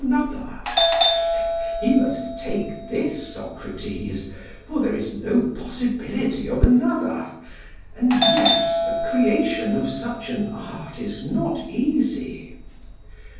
PHAEDRUS: He must take this, Socrates, for there is no possibility of another, and yet the creation of such an art is not easy.